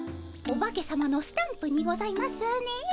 お化けさまのスタンプにございますね？